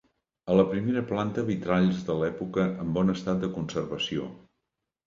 A la primera planta vitralls de l'època en bon estat de conservació.